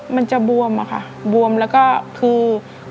มันจะบวมอะค่ะบวมแล้วก็คือ